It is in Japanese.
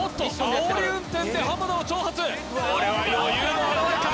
あおり運転で田を挑発これは余裕の表れか？